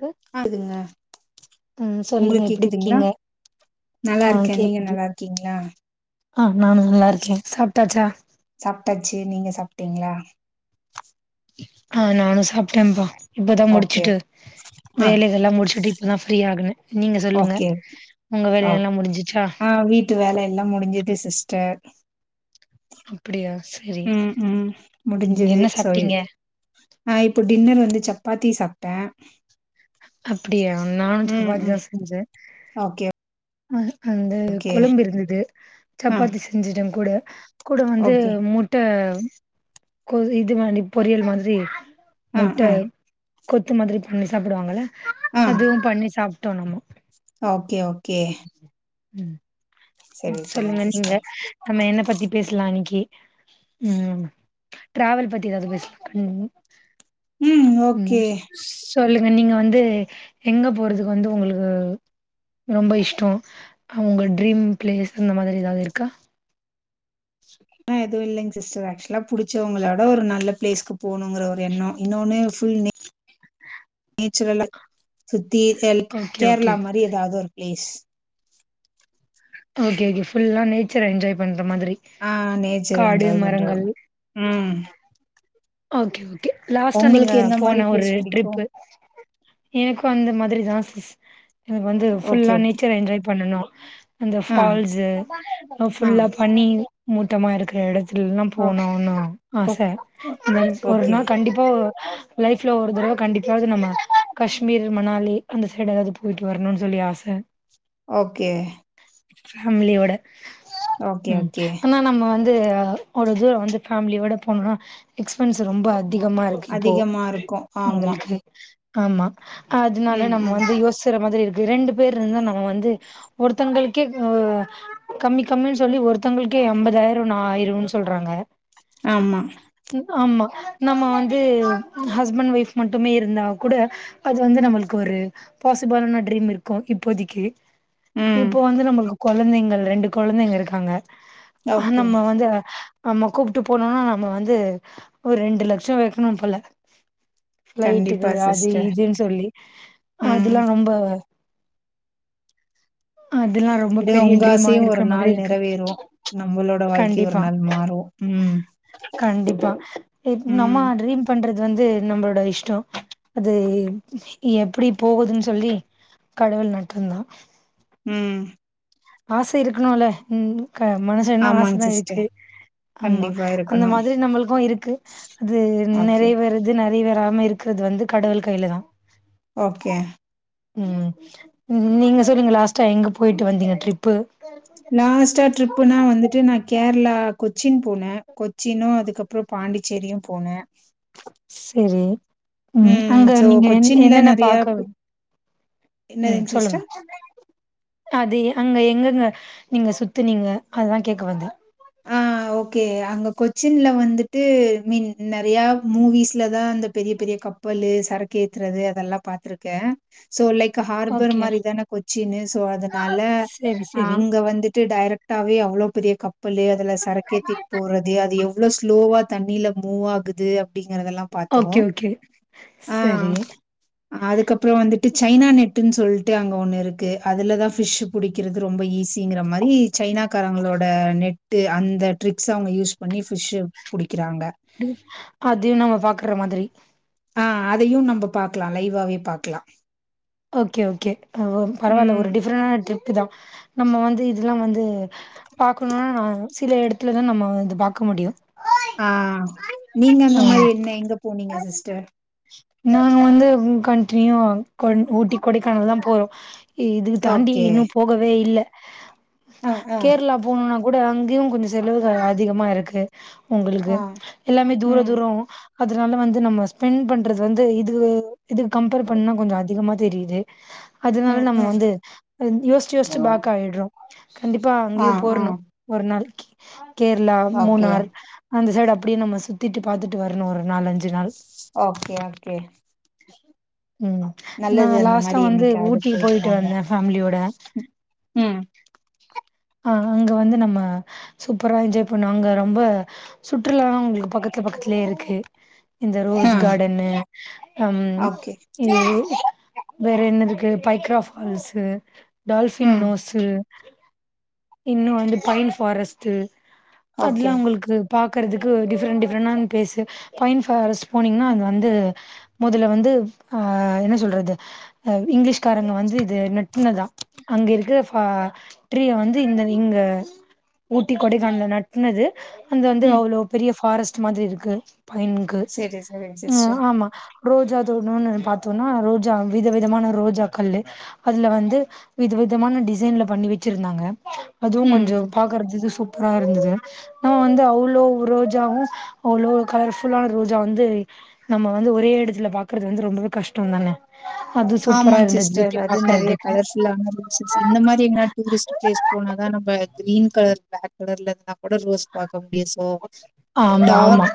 க்கு ஆகுதுங்க ம் சொல்லுங்க உங்களுக்கு எப்டி கேட்குதுங்களா இருக்கீங்க நல்லா ஆ இருக்கே நீங்க கேக்குது நல்லா இருக்கீங்களா ஆ நா நல்லா இருக்கே சாப்பிட்டாச்சா சாப்பிட்டாச்சு நீங்க சாப்பிட்டீங்களா ஆ நானு சாப்பிட்டேன் அப்பா இப்பதா ஓகே முடிச்சுட்டு ஆ வேலய அதெல்லா முடிச்சுட்டு இப்பதா ஃப்ரீ ஆகணு நீங்க சொல்லுங்க ஓகே உங்க வேலைய எல்லாம் முடிஞ்சிச்சா வேலை எல்லா முடிஞ்சுது சிஸ்டர் அப்படியா சரி ம் ம் ம் முடிஞ்சது என்ன சரி சாப்ட்டீங்க ஆ இப்போ டின்னர் வந்து சப்பாத்தி சாப்பிட்டே அப்டியா நானு சப்பாத்தி ம் தா செஞ்சே ஓகே ஆ அந்த ஓகே கொழும்பு இருந்தது ஆ சப்பாத்தி செஞ்சிட்ட கூட கூட வந்து ஓகே முட்டை இது மாதிரி பொரியல் மாதிரி ஆ முட்ட ஆ கொத்து மாதிரி பண்ணி சாப்பிடுவாங்க ஆ அதுவும் பண்ணி சாப்ட்டோ நம்ம ஓகே ஓகே ம் சரி சரிங்க சொல்லுங்க நீங்க சிஸ்டர் நம்ம என்ன பத்தி பேசலா இன்னைக்கு ம் ட்ராவல் பத்தி ஏதாவது பேச ம் ஓகே ம் சொல்லுங்க நீங்க வந்து எங்க போறதுக்கு வந்து உங்களுக்கு ரொம்ப இஷ்ட உங்க ட்ரீம் பிளேஸ் இந்த மாதிரி ஏதாவது இருக்கா ச [inaudible] எதுவு இல்லைங்க சிஸ்டர் ஆக்சுவலா புடிச்சவங்களோட ஒரு நல்ல பிளேஸ்கு போணுங்கிற ஒரு எண்ணம் இன்னொன்னு புல் நே ம் [inaudible] நேச்சுரல சுத்தி ஓகே ஓகே கேரளா மாதிரி ஏதாவது ஒரு பிளேஸ் ஓகே புல்லா நேச்சர் என்ஜாய் பண்ற மாதிரி ஆ நேச்சர் காடு என்ஜாய் பண்ற மரங்கள் ம் ஓகே ஓகே லாஸ்ட்டா உங்களுக்கு நீங்கள் எந்த மாரி போன ஒரு பிளேஸ் புடிக்கு ட்ரிப்பு எனக்கு அந்த மாதிரி தா சிஸ் எனக்கு வந்து ஓகே ஃபுல்லா ஓகே நேச்சர் என்ஜாய் பண்ணனு அந்த ஆ ஃபால்ஸு ஆ ஃபுல்லா பனி மூட்டாமா இருக்கிற இடத்து அங்க ஓ போனும்னு ஓ ஆச ஓ ஆனா ஒரு ஓகே நாள் கண்டிப்ப ப்போ லைப்ல ஒரு தடவை கண்டிப்ப வது நம்ம காஷ்மீர் மணாலி அந்த சைடஅதாவது போயிட்டு வரணும்ன்னு சொல்லி ஆசை ஓகே ஃபேமிலியோட ஓகே ஓகே நம்ம வந்து ஒரு தூரம் வந்து ஃபேமிலியோட போனோம்னா எக்ஸ்பென்ஸ் ரொம்ப அதிகமாக இரு இப்போ அதிகமா இருக்கு ஆமா உங்களுக்கு ஆமா அதனால ம் நம்ம ம் வந்து யோச இருக்குற மாதிரி இருக்கு ரெண்டு பேர் இருந்தா நம்ம வந்து ஒருத்தங்களுக்கே [unintelligible] கம்மி கம்மின்னு சொல்லி ஒருத்தவங்களுக்கே ஐம்பதாயிரம்ன்னு சொல்றாங்க ஆமா ஆமா நம்ம வந்து ஹஸ்பண்ட் ஒய்ஃப் மட்டுமே இருந்தா கூட அது வந்து நம்மளுக்கு ஒரு பாசிபலான ட்ரீம் இருக்கு இப்போதைக்கு ம் இப்போ வந்து நம்மளுக்கு கொழந்தைங்கள் ரெண்டு கொழந்தைங்க இருக்காங்க ஆமா ஓகே நம்ம வந்து நம்ம கூப்பிட்டு போனோம்னா நம்ம வந்து ஒரு ரெண்டு லட்சம் வைக்கணு போல ஃப்ளைட் க்கு கண்டிப்பா அது சிஸ்டர் இதுன்னு சொல்லி ம் அதெல்லா ரொம்ப அதெல்லா ரொம்ப விடுங்க பெரிய உங்க ட்ரீமா ஆசையு ஒரு இருக்கிற மாதிரி நாள் இருக்கு நிறைவேறு நம்மளோட வாழ்க்கையும் ஒரு கண்டிப்பா நாள் மாறு ம் கண்டிப்பா இப் நம்ம ம் டரீம் பண்றது வந்து நம்லோட இஷ்டம் அது எப்டி போகுதுன்னு சொல்லி கடவுள் நட்டுந்தான் ம் ஆச இருக்கணுல ம் மனசு என்ன ஆமாங் ஆசைதா சிஸ்டர் இருக்கு ஆமா கண்டிப்பா அந்த இருக்கணு மாதிரி நம்மளுக்கு இருக்கு அது ஓகே நெறை வேற இது நறைவேறமா இருக்கறது வந்து கடவுள் கையில தா ஓகே ம் நீங்க சொல்லுங்க லாஸ்டா எங்க போயிட்டு வந்தீங்க டரிப்பு லாஸ்ட்டா ட்ரிப்புனா வந்துட்டு நா கேரளா கொச்சின் போன கொச்சினு அதுக்கப் றோ பாண்டிச்சேரியு போன செரி ம் அங்க சோ நீங்க என் கொச்சின்ல என்னென்ன நெறையா பாக்க பு ம் என்னதுங்க சொல்லுங்க சிஸ்டர்? அது அங்க எங்கங்க நீங்க சுத்துனிங்க அதா கேக்க வந்த ஆ ஓகே அங்க கொச்சின்ல வந்துட்டு மீன் நெறைய மூவிஸ்ல தா அந்த பெரிய பெரிய கப் பல்லு சரக்கு ஏத்துறது அதெல்லா பாத்துருக்க சோ லைக் ஹார்பர் ஓகே மாரி தானே கொச்சினு சோ அதனால செரி செரி அங்க வந்து ட்டு டைரெக்டாவே அவ்ளோ பெரிய கப் பல்லு அதுல சரக்கேத்திட்டு போறது அது எவ்ளோ ஸ்லோவா தண்ணில மூவ் ஆகுது அப்டிங்கறதெல்லா பாத்தோ ஓகே ஓகே ஆ செரி அதுக்கப்றோ வந்துட்டு சைனா நெட்டுன்னு சொல்ட்டு அங்க ஒண்ணு இருக்கு அதுலதா ஃபிஷ்சு புடிக்கிறது ரொம்ப ஈஸிங்கிற மாரி சைனாக்காரங்களோட நெட் ட்டு அந்த ட்ரிக்ஸ் அவங்க யூஸ் பண்ணி பிஷ்சு புடிக்கிறாங்க அதையு நம்ம பாக்குற மாதிரி ஆ அதையு நம்ம பாக்கலா லைவாவே பாக்லா ஓகே ஓகே ஓ பரவால்ல ம். ஒரு டிஃப்ரெண்டான ட்ரிப் தா நம்ம வந்து இதெல்லா வந்து பாக்கணும்னா நா சில எடத்துலதா நம்ம வந்து பாக்க முடியு ஆ நீங்க அந்த மாரி என்ன எங்க போனீங்க சிஸ்டர் நாங்க வந்து கண்டினியூ கொ ஊட்டி கொடைக்கானல் தா போறோ இதுக்கு தாண்டி ஓகே. இன்னு போகவே இல்ல அ, அ, கேரளா போனுனா கூட அங்கேயு கொஞ்ச செலவுகள் அதிகமா இருக்கு உங்ளுக்கு ஆ. எல்லாமே தூர ம். தூரோ அதனால வந்து நம்ம ஸ்பெண்ட் பண்றது வந்து இது இதுக்கு கம்பேர் பண்ணா கொஞ்ச அதிகமா தெரியிது அதனால ம், நம்ம ம். வந்து யோச்சி யோச்சி பேக் ஆயிடுறோ கண்டிப்பா ஆ, அங்கேயு ஆ. போயிர்னு ஒரு நாள் கேரளா ஓகே. மூனார் அந்த சைடு அப்டியே நம்ம சுத்திட்டு பாத்துட்டு வரணு ஒரு நாலஞ்சு நாள் ஓகே ஓகே ம் நா நல்லது அந்த லாஸ்ட்டா மாரி வந்து என்னைக்காவது ஊட்டி போயிட்டு வாங்க. வந்த ஃபேமிலியோட ம். ம். ஆ அங்க வந்து நம்ம சூப்பரா என்ஜாய் பண்ணோ அங்க ரொம்ப சுற்றுலா லா உங்களுக்கு பக்கத்துல பக்கத்துலேயே இருக்கு இந்த ரோஸ் ஆ. காடன்னு அம் ஓகே. இ வேற என்ன இருக்கு பைக்ரா ஃபால்ஸு டால்ஃபின் ம். நோஸு இன்னு வந்து பைன் ஃபாரஸ்ட்டு அதுலா ஓகே. உங்ளுக்கு பாக்கறக்கு டிஃப்ரெண்ட் டிஃப்ரெண்டான பேசு பைன் ஃபாரஸ்ட்போனீங்னா அது வந்து மொதல வந்து ஆ என்ன சொல்றது அ இங்கிலீஷ்காரங்க வந்து இது நெட்னதா அங்க இருக்கற ஃபா ட்ரீய வந்து இந்த இங்க ஊட்டி கொடைக்கானல்ல நட்னது அந்து வந்து ம். அவ்ளோ பெரிய ஃபாரஸ்ட் மாதிரி இருக்கு பைன்க்கு செரி செரிங் ம் சிஸ்டர் ஆமா ரோஜா தோட்டணு பாத்தோனா ரோஜா வித விதமான ரோஜாக்கள்லு அதுல வந்து வித விதமான டிசைன்ல பண்ணி வச்சிருந்தாங்க அதுவு ம் கொஞ்சோ பாக்கறதுக்கு சூப்பரா இருந்தது நம்ம வந்து அவ்ளோ ரோஜாவு அவ்ளோ கலர் ஃபுல்லான ரோஜா வந்து நம்ம வந்து ஒரே எடத்துல பாக்கறது வந்து ரொம்பவே கஷ்டோந்தான ஆமாங் சிஸ்டர் அது நெறைய பாக்குறதுக்கு கலர்ஸ் இல்ல அந்த ரோசஸ் இந்த மாரி எங்கனா டூரிஸ்ட் பிளேஸ் போனாதா நம்ம கிரீன் கலர் ப்ளாக் கலர்ல இருந்தா கூட ரோஸ் பாக்க முடியு சோ ஆமா ஆமா டார்க்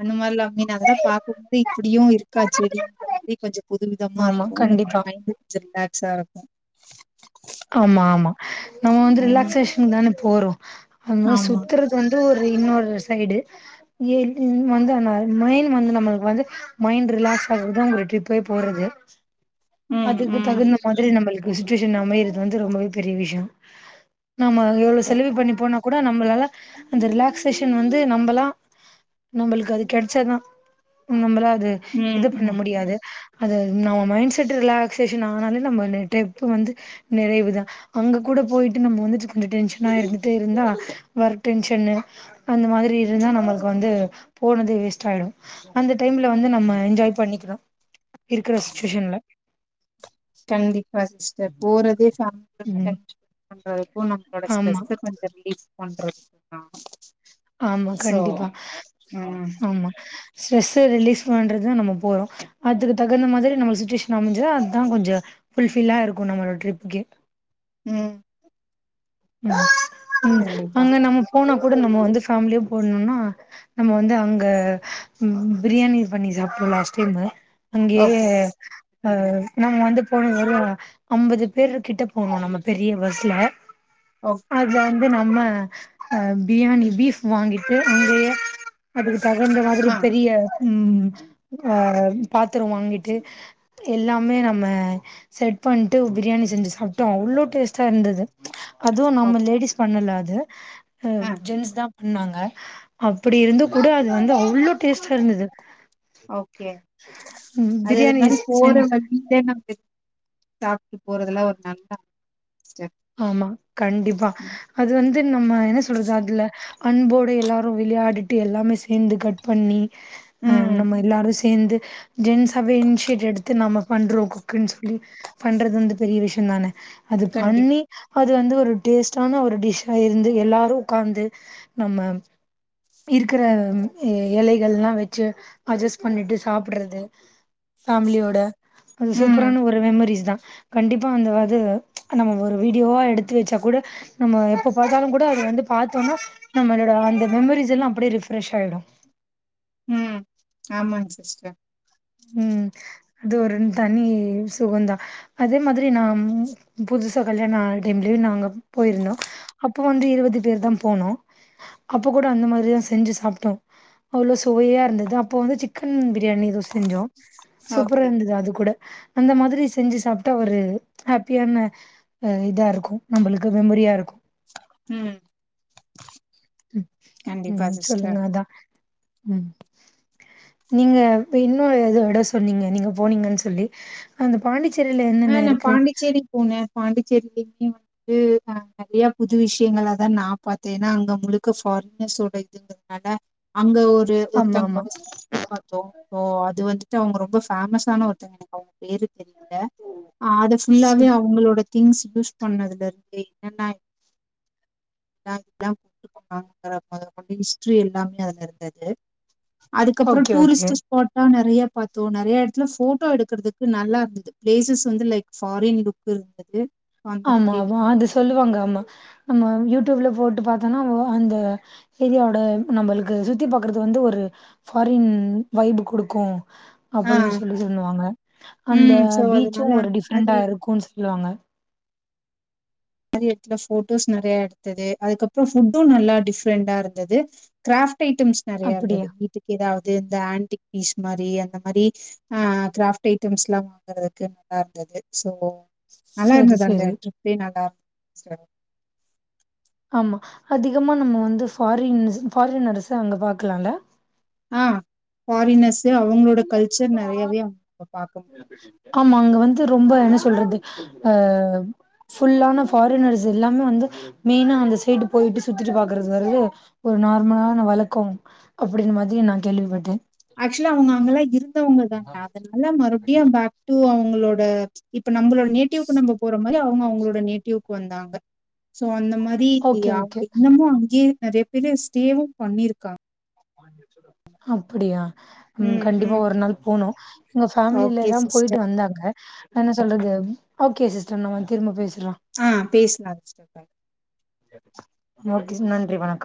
அந்த மார்லா மீன் அதெல்லா பாக்கும்போது இப்புடியு இருக்காச் செடி மாதிரி கொஞ்ச புது விதமா ஆமா இருக்கு கண்டிப்பா மைண்டு கொஞ்ச ரிலாக்ஸா இருக்கு ஆமா ஆமா நம்ம வந்து ம் ரிலாக்சேஷனுக்கு தான போறோ அந்மா ஆமா சுத்தற இது வந்து ஒரு இன்னொரு சைடு எ ன் வந்து ம மயின் வந்து நம்மளுக்கு வந்து மைண்ட் ரிலாக்ஸ் ஆகறதுதா உங்ளுக் ட்ரிப்பே போறது ம் அதுக்கு ம் தகுந்த மாதிரி நம்மளுக்கு சுச்சுவேஷன் அமையறது வந்து ரொம்பவே பெரிய விஷயோ நம்ம எவ்வளவு சிஸ்டர். செலவு பண்ணி போனா கூட நம்மளால அந்த ரிலாக்சேஷன் வந்து நம்பலா நம்பளுக்கு அது கெடச்சாதா நம்மள அது ம் இது பண்ண ம் முடியாது அத நம்ம மைண்ட் செட் ரிலாக்சேஷன் ஆனாலே நம்ம லே டெப்பு வந்து நிறைவு தா அங்க கூட போயிட்டு நம்ம வந்துட்டு கொஞ்ச டென்ஷனா இருந்துட்டே இருந்தா ஒர்க் டென்ஷன்னு அந்த மாதிரி இருந்தா நம்மளுக்கு வந்து போனது வேஸ்ட் ஆயிடு அந்த டைம்ல வந்து நம்ம என்ஜாய் பண்ணிக்கணு இருக்கற சுச்சுவேஷன்ல கண்டிப்பா சிஸ்டர் போறதே பேமிலி [inaudible] ம் ஸ்பென் பண்றதுக்கு நம்ளோட ஆமா ஸ்ட்ரெஸ்சு கொஞ்ச ரிலீஃப் பண்றதுக்கு தா ஆமா சோ கண்டிப்பா ம் ஆமா ஸ்ட்ரெஸ்ஸ ரிலீஸ் பண்றதுதா நம்ம போறோ அதுக்கு தகுந்த மாதிரி நம்ளுக்கு சுச்சுவேஷன் அமஞ்சா அதா கொஞ்ச புல்ஃபில்லா இருக்கு நம்மளோட ட்ரிப்க்கே ம் ம் ம் கண்டிப்பா. அங்க நம்ம போனா கூட நம்ம வந்து ஃபேமிலியோ போனோன்னா நம்ம வந்து அங்க பிரியாணி பண்ணி சாப்ட்டோ லாஸ்ட் டைமு அங்கயே ஓகே. அ நம்ம வந்து போன தரோ அம்பது பேர்ரு கிட்ட போனோ நம்ம பெரிய பஸ்ல ஓ அதுல வந்து நம்ம அ பிரியாணி பீஃப் வாங்கிட்டு அங்கயே அதுக்கு தகுந்த மாதிரி ஆ பெரிய ம் அ பாத்தரோ வாங்கிட்டு எல்லாமே நம்ம செட் பண்ட்டு பிரியாணி செஞ்சு சாப்ட்டோ அவ்ளோ டேஸ்ட்டா இருந்தது அது ஓக் நம்ம லேடிஸ் பண்ணல அது அ ஆ ஜென்ஸ் தா பன்னாங்க அப்படி இருந்து கூட அது வந்து அவ்ளோ டேஸ்டா இருந்தது ஓகே ம் அது அது பிரியாணி மாரி செஞ் போறவ மூணு பேர் நாலு பேர் சாப்ட்டு போறதுலா ஒரு நல்லா ஆமா கண்டிப்பா ம். அது வந்து நம்ம என்ன சொல்றது அதுல அன்போடு எல்லாரு விளையாடிட்டு எல்லாமே சேந்து கட் பண்ணி அ ம். நம்ம எல்லாரு சேந்து ஜென்ஸ்சாவே இனிஷியேட் எடுத் து நம்ம பண்றோ குக்குன் சொல்லி பண்றது வந்து பெரிய விஷயோ தான அது பண்ணி கண்டிப்பா. அது வந்து ஒரு டேஸ்ட்டான ஒரு டிஷ்ஷா இருந்து எல்லாரு உக்காந்து நம்ம இருக்கற அ எலைகள்லா வச்சு அட்ஜஸ்ட் பண்ணிட்டு சாப்படறது ஃபேமிலியோட அது ம். சூப்பரான ஒரு மெமரிஸ் தா கண்டிப்பா அந்த வது நம்ம ஒரு வீடியோவா எடுத்து வச்சா கூட நம்ம எப்ப பாத்தாலு கூட அது வந்து பாத்தோனா நம்மளோட அந்த மெமரிஸ் எல்லா அப்படே ரிஃப்ரெஷ் ஆயிடு ம் ஆமாங் சிஸ்டர் ம் இதோ ரெண் தண்ணி சுகந்தா அதே மாதிரி நம் புதுசா கல்யாண ஆனா டைம்லயு நாங்க போயிருந்தோ அப்ப வந்து இருவது பேர்தா போனோ அப்ப கூட அந்த மாரிதா செஞ்சு சாப்ட்டோ அவ்ளோ சுவையா இருந்தது அப்போ வந்து சிக்கன் பிரியாணி ஏதோ செ செஞ்சோ சூப்பரா ஓகே. இருந்தது அது கூட அந்த மாரி செஞ்சு சாப்ட்டா ஒரு ஹப்பியான அ இதா இருக்கு நம்பளுக்கு மெமரியா இருக்கு ம் கண்டிப்பா ம் சிஸ்டர். சொல்லுங்க அதா ம் நீங்க இன்னு எதோ எடோ சொன்னீங்க நீங்க போனீங்கன் சொல்லி அந்த பாண்டிச்சேரியில என்னென்ன இருக்கு புதுச்சேரி போன பாண்டிச்சேரி தின்டிவான து நா நறைய புது விஷயங்களா தா நா பத்தே ஏனா அங்க முழுக்க ஃபாரினர்ஸோட இது னால அங்க ஒரு ஆமாமா. ஒருத்தங்களோட [inaudible] பாத்தோ சோ அது வந்துட்டு அவுங்க ரொம்ப ஃபேமஸான ஒருத்தவுங்க எனக்கு அவுங்க பேரு தெரில அ அது சி ஃபுல்லாவே அவுங்களோட திங்ஸ் யூஸ் பண்ணதுல இருந்து என்னென்ன என்னா என்ன போட்டு போனாங்கற மொதல் கொண்டு ஹிஸ்ட்ரி எல்லாமே அதுல இருந்தது அதுக்கப்புறோ ஓகே, ஓகே. டூரிஸ்ட்டு ஸ்பாட்டா நறைய பாத்தோ நறையா எடத்துல ஃபோட்டோ எடுக்கறதுக்கு நல்லா இருந்தது பிளேசஸ் வந்து லைக் ஃபாரின் லுக்கு இருந்துது ஆமா வா அது சொல்லுவாங்க ஆமா நம்ம யூடியூப்ல போட்டு பாத்தோனா அவ்வ அந்த ஏரியா ஓட நம்பளுக்கு சுத்தி பாக்குறது வந்து‌ ஒரு ஃபாரின் வைபு குடுக்கு ஆ அப்டின் சொல்லி சொல்லுவாங்க அந்த ம் சோ பீச்சு அதனால ஒரு அந்த மாரி டிஃப்ரெண்ட்டா இருக்குன் சொல்லுவாங்க அந்த மாரி எடத்துல ஃபோட்டோஸ் நறைய எடுத்தது அதுக்கப்புறோ ஃபுட்டு நல்லா டிஃப்ரெண்டா இருந்தது கிராஃப்ட் ஐட்டம்ஸ் நறைய அப்படியா? இருந்தது வீட்டுக்கு ஏதாவது இந்த ஆண்டடிக் பீஸ் மாரி அந்த மாரி ஆ கிராஃப்ட் ஐட்டம்ஸ்ல்லா வாங்கறதுக்கு நல்லா இருந்தது சோ நல்லா சரி, இருந்தது அந்த சரி. ட்ரிப்பே நல்லா இரு சிறப் ஆமா அதிகமா நம்ம வந்து ஃபாரின்ஸ் ஃபாரினர்ஸ அங்க பாக்கலால ஆ ஃபாரினர்ஸ்ஸு அவுங்களோட [unintelligible] ஆமா அங்க வந்து ரொம்ப என்ன சொல்றது அ ஃபுல்லான ஃபாரினர்ஸ் எல்லாமே வந்து மெய்னா அந்த சைடு போயிட்டு சுத்திட்டு பாக்குறது வருது ஒரு நார்மலான வழக்கோ அப்டின்னு மதியோ நா கேள்விப்பட்டே ஆக்சுவலி அவுங்க அங்கல்லா இருந்தவுங்க தான்டா அதுனால மறுபடியு பேக் டு அவுங்களோட இப்ப நம்பளோட நேட்டிவ்க்கு நம்ப போற மாரி அவுங்க அவுங்களோட நேட்டிவ்க்கு வந்தாங்க சோ அந்த மாரி தி ஓகே, அவுங்க ஓகே. இன்னமு அங்கேயே நெறைய பேரு ஸ்டேவு பண்ணியிருக்காங் அப்புடியா ம் கண்டிப்பா ஒரு நாள் போனு எங்க ஃபேமிலில ஓகே எல்லா பொயிட்டு சிஸ்டர். வந்தாங்க என்ன சொல்றது ஓகே சிஸ்டர் நம்ம வந்து திரும்ப பேசுறோ ஆ பேசலா சிஸ்டர் ஃபாய் ஓகே சிஸ் நன்றி வணக்கம்